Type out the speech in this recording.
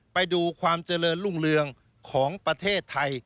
ไปดูความเจริญรุ่งเรืองของประเทศไทย